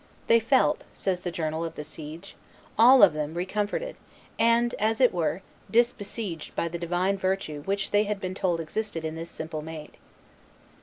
They felt," says the Journal of the Siege, "all of them recomforted and as it were disbesieged by the divine virtue which they had been told existed in this simple maid."